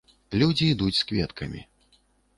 Людзі ідуць з кветкамі.